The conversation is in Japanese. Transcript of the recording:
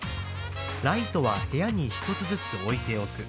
ライトは部屋に１つずつ置いておく。